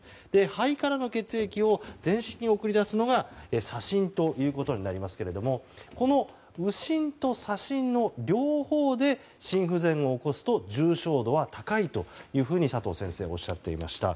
肺からの血液を全身に送り出すのが左心ということになりますがこの右心と左心の両方で心不全を起こすと重症度は高いと佐藤先生はおっしゃっていました。